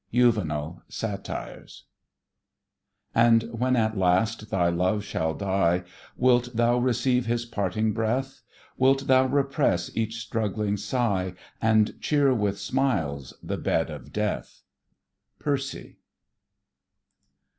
JUVENAL, Satires And when at last thy Love shall die, Wilt thou receive his parting breath? Wilt thou repress each struggling sigh, And cheer with smiles the bed of death? PERCY.